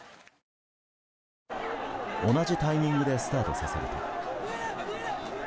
同じタイミングでスタートさせると。